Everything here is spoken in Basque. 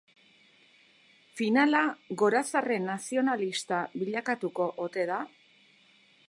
Finala gorazarre nazionalista bilakatuko ote da?